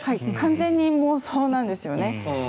完全に妄想なんですね。